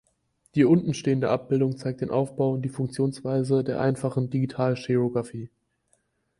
Die untenstehende Abbildung zeigt den Aufbau und die Funktionsweise der einfachen Digital-Shearografie.